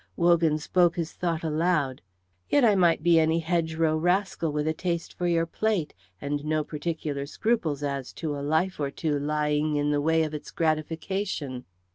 Wogan spoke his thought aloud, "Yet I might be any hedgerow rascal with a taste for your plate, and no particular scruples as to a life or two lying in the way of its gratification."